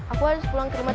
aku harus pulang ke rumah